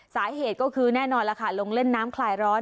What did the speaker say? สาเหตุก็คือแน่นอนล่ะค่ะลงเล่นน้ำคลายร้อน